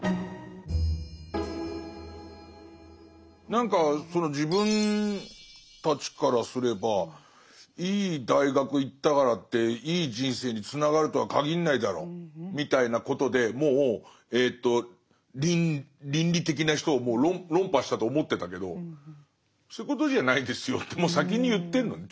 何かその自分たちからすればいい大学行ったからっていい人生につながるとは限んないだろみたいなことでもう倫理的な人を論破したと思ってたけどそういうことじゃないですよってもう先に言ってんのね。